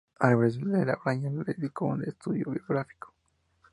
Álvarez de la Braña le dedicó un estudio biográfico.